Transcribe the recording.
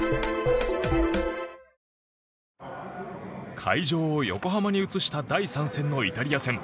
会場を横浜に移した第３戦のイタリア戦。